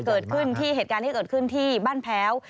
เกิดขึ้นที่เหตุการณ์ที่เกิดขึ้นที่บ้านแพ้ว